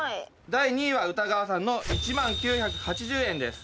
第２位は、宇田川さんの１万９８０円です。